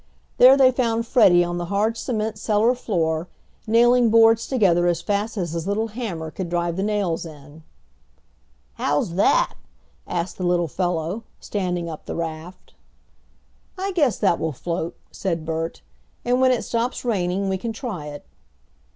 There they found Freddie on the hard cement cellar floor, nailing boards together as fast as his little hammer could drive the nails in. "How's that?" asked the little fellow, standing up the raft. "I guess that will float," said Bert, "and when it stops raining we can try it."